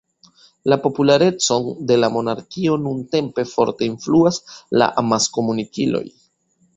La popularecon de la monarkio nuntempe forte influas la amaskomunikiloj.